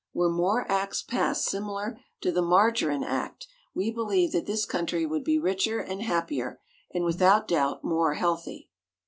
Were more Acts passed similar to the "Margarine Act" we believe that this country would be richer and happier, and without doubt more healthy.